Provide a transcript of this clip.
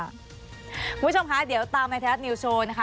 คุณผู้ชมคะเดี๋ยวตามในไทยรัฐนิวโชว์นะคะ